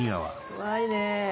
怖いね。